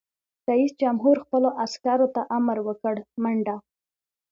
رئیس جمهور خپلو عسکرو ته امر وکړ؛ منډه!